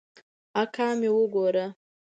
اکا مې وګوره.